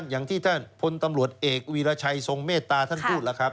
อย่างที่ท่านพลตำรวจเอกวีรชัยทรงเมตตาท่านพูดแล้วครับ